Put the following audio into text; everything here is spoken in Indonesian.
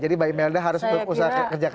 jadi mbak imelda harus berusaha kerjakan